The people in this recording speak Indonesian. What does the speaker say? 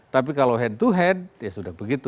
tapi kalau head to head ya sudah begitu